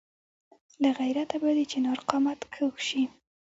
له غیرته به د چنار قامت کږ شي.